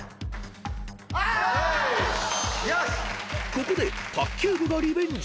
［ここで卓球部がリベンジ］